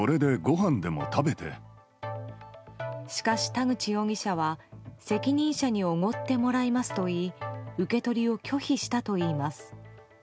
しかし、田口容疑者は責任者におごってもらいますと言い受け取りを拒否したといいます。